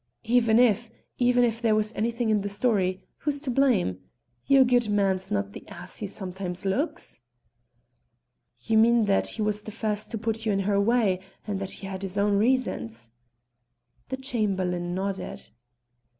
"Even if even if there was anything in the story, who's to blame? Your goodman's not the ass he sometimes looks." "You mean that he was the first to put her in your way, and that he had his own reasons?" The Chamberlain nodded.